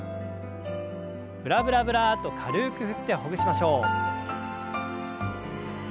ブラブラブラッと軽く振ってほぐしましょう。